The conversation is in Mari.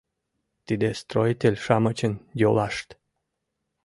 Тиде строитель-шамычын йолашт.